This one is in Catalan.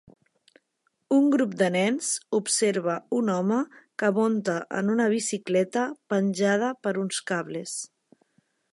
Un grup de nens observa un home que munta en una bicicleta penjada per uns cables.